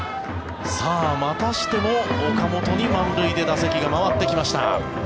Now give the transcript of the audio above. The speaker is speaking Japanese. またしても岡本に満塁で打席が回ってきました。